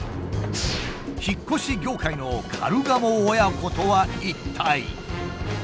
引っ越し業界のカルガモ親子とは一体。